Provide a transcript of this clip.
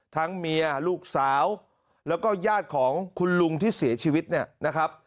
เมียลูกสาวแล้วก็ญาติของคุณลุงที่เสียชีวิตเนี่ยนะครับ